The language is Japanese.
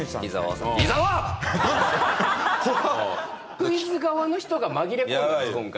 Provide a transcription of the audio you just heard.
クイズ側の人が紛れ込んでます今回。